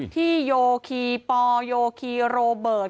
ที่โยคีย์โปโยคีย์โรเบิร์ต